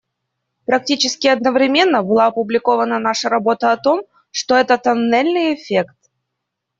Практически одновременно была опубликована наша работа о том, что это тоннельный эффект.